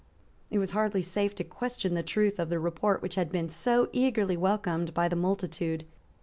It was hardly safe to question the truth of the report which had been so eagerly welcomed by the multitude.